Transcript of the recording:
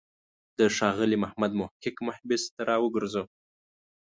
د ښاغلي محمد محق مبحث ته راوګرځو.